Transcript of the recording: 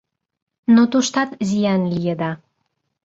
Но туштат зиян лиеда.